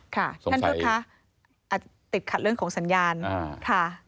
ค่ะท่านทูตค่ะติดขัดเรื่องของสัญญาณค่ะสงสัยอ่า